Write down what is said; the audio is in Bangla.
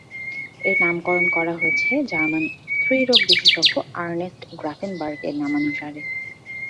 এর নামকরণ করা হয়েছে জার্মান স্ত্রী-রোগ বিশেষজ্ঞ আর্নেস্ট গ্রাফেনবার্গ-এর নামানুসারে।